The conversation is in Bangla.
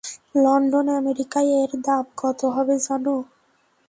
লন্ডন, আমেরিকায় এর দাম কত, হবে জানো?